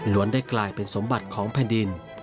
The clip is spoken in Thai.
ได้กลายเป็นสมบัติของแผ่นดิน